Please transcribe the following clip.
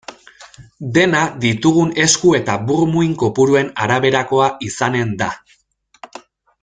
Dena ditugun esku eta burmuin kopuruen arabera izanen da.